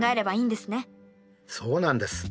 そうなんです。